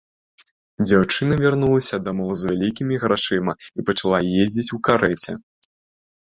Дзяўчына вярнулася дамоў з вялікімі грашыма і пачала ездзіць у карэце.